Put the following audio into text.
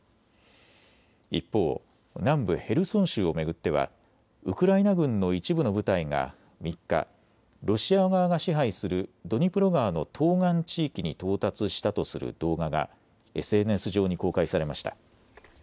一方、南部ヘルソン州を巡ってはウクライナ軍の一部の部隊が３日、ロシア側が支配するドニプロ川の東岸地域に到達したとする動画がＳＮＳ上に公開されました。